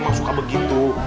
emang suka begitu